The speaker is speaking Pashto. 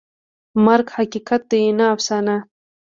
مرګ حقیقت دی، نه افسانه.